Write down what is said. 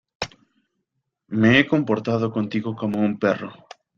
me he comportado contigo como un perro.